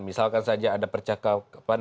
misalkan saja ada percakapan